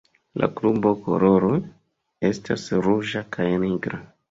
La klubo koloroj estas ruĝa kaj nigra.